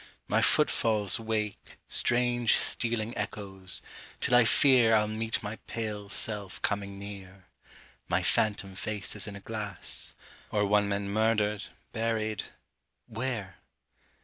My footfalls wake Strange stealing echoes, till I fear I'll meet my pale self coming near; My phantom face as in a glass; Or one men murdered, buried where?